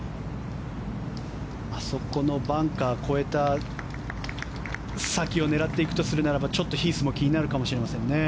あそこのバンカーを越えた先を狙っていくとするならばヒースも気になるかもしれませんね。